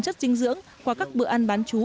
chất trinh dưỡng qua các bữa ăn bán chú